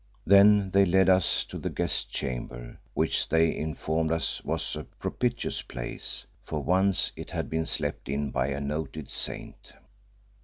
Then they led us to the guest chamber, which they informed us was a "propitious place," for once it had been slept in by a noted saint.